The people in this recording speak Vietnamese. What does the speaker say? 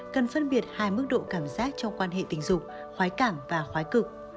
cần phân biệt hai mức độ cảm giác trong quan hệ tình dục khoái cảm và khoái cực